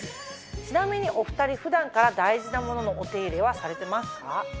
ちなみにお２人普段から大事なもののお手入れはされてますか？